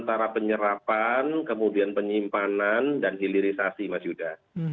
antara penyerapan kemudian penyimpanan dan hilirisasi mas yuda